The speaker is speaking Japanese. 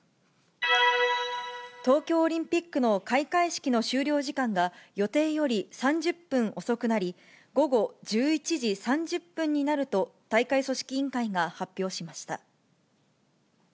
東京オリンピックの開会式の終了時間が、予定より３０分遅くなり、午後１１時３０分になると、大会組織委員会が発表しました。